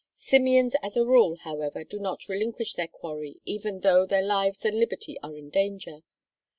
Simians as a rule, however, do not relinquish their quarry even though their lives and liberty are in danger.